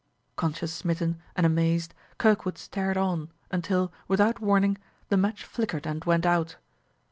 Conscience smitten and amazed Kirkwood stared on until, without warning, the match flickered and went out.